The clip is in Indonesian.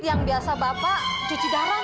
yang biasa bapak cuci darah